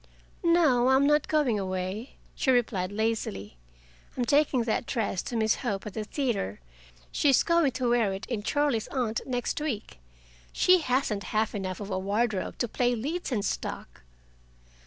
"No, I'm not going away," she replied lazily. "I'm taking that dress to Miss Hope at the theater. She is going to wear it in Charlie's Aunt next week. She hasn't half enough of a wardrobe to play leads in stock.